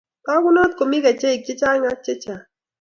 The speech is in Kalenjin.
Tangunot komi kecheik chechang ak chechang